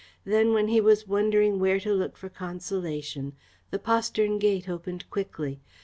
Then, when he was wondering where to look for consolation, the postern gate opened quickly.